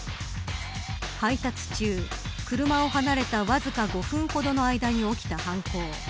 配達中、車を離れたわずか５分ほどの間に起きた犯行。